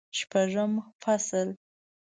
شپږم فصل